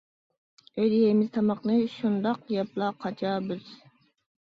ئۆيدە يەيمىز تاماقنى، شۇنداق يەپلا قاچا بىز.